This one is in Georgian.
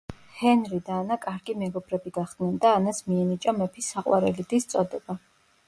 ჰენრი და ანა კარგი მეგობრები გახდნენ და ანას მიენიჭა მეფის საყვარელი დის წოდება.